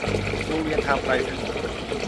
โรงเรียนทางไปรษณีย์